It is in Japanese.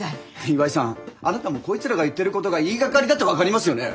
岩井さんあなたもこいつらが言ってることが言いがかりだって分かりますよね？